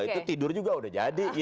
itu tidur juga udah jadi